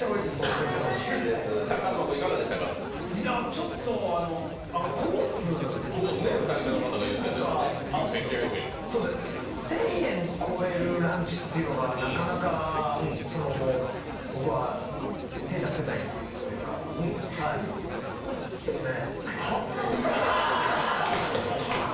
ちょっと、コースとか１０００円超えるランチというのがなかなか僕は手出せないというか、はい、ですね。